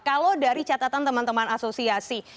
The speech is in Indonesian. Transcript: kalau dari catatan teman teman asosiasi